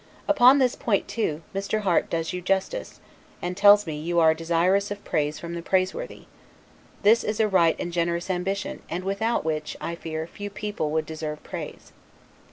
Upon this point, too, Mr. Harte does you justice, and tells me that you are desirous of praise from the praiseworthy. This is a right and generous ambition; and without which, I fear, few people would deserve praise.